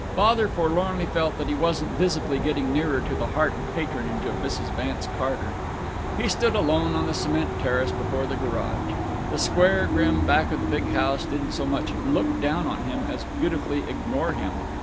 Father forlornly felt that he wasn't visibly getting nearer to the heart and patronage of Mrs. Vance Carter. He stood alone on the cement terrace before the garage. The square grim back of the big house didn't so much "look down on him" as beautifully ignore him.